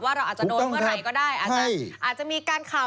เราอาจจะโดนเมื่อไหร่ก็ได้อาจจะมีการข่าว